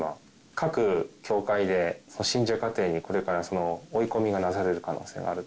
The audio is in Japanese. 各教会で、信者家庭にこれから追い込みがなされる可能性があると。